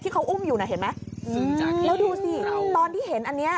เขาอุ้มอยู่น่ะเห็นไหมแล้วดูสิตอนที่เห็นอันเนี้ย